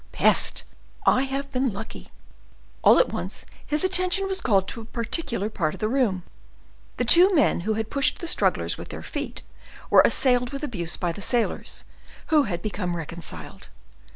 Peste! I have been lucky." All at once his attention was called to a particular part of the room. The two men who had pushed the strugglers with their feet, were assailed with abuse by the sailors, who had become reconciled.